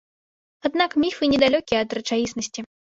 Аднак міфы недалёкія ад рэчаіснасці.